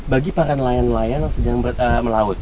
bagi para nelayan nelayan yang sedang melaut